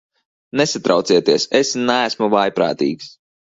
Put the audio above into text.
Nesatraucieties, es neesmu vājprātīgs.